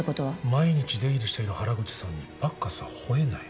毎日出入りしている原口さんにバッカスは吠えない。